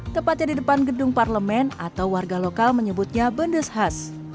tepatnya di depan gedung parlemen atau warga lokal menyebutnya bendes khas